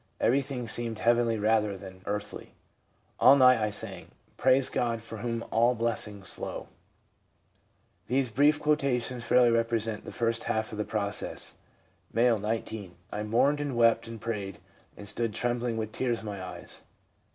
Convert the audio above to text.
Every thing seemed heavenly rather than earthly. All night I sang, " Praise God from whom all blessings flow." ' THE MENTAL AND BODILY AFFECTIONS S3 These brief quotations fairly represent the first half of the process: M., 19. 'I mourned and wept and prayed, and stood trembling, with tears in my eyes.'